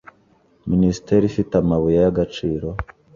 Minisiteri ifite amabuye y agaciro